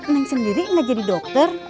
neng sendiri nggak jadi dokter